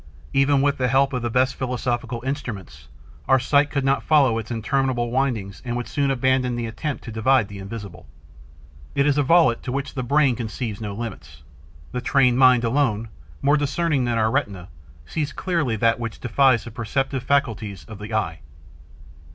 Even with the help of the best philosophical instruments, our sight could not follow its interminable windings and would soon abandon the attempt to divide the invisible. It is a volute to which the brain conceives no limits. The trained mind, alone, more discerning than our retina, sees clearly that which defies the perceptive faculties of the eye.